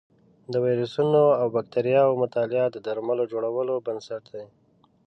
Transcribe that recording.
د ویروسونو او بکتریاوو مطالعه د درملو جوړولو بنسټ دی.